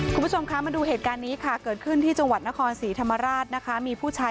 คุณผู้ชมคะมาดูเหตุการณ์นี้ค่ะเกิดขึ้นที่จังหวัดนครศรีธรรมราชนะคะมีผู้ชาย